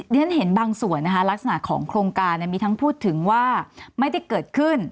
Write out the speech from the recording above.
เรียนเห็นบางส่วนนะคะลักษณะของโครงการมีทั้งพูดถึงว่าไม่ได้เกิดขึ้น